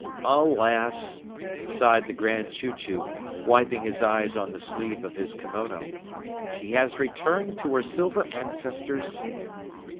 "Alas!" sighed the Grand Chew Chew, wiping his eyes on the sleeve of his kimono, "She has returned to her silver ancestors."